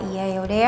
iya yaudah ya